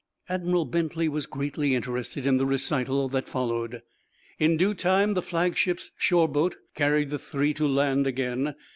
Admiral Bentley was greatly interested in the recital that followed. In due time the flagship's shore boat carried the three to land again.